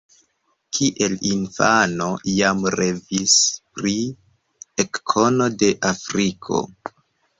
Kiel infano jam revis pri ekkono de Afriko.